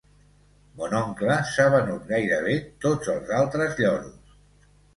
Mon oncle s'ha venut gairebé tots els altres lloros.